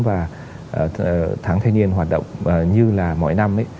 và tháng thay nhiên hoạt động như là mỗi năm ấy